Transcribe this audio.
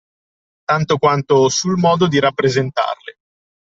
Tanto quanto sul modo di rappresentarle.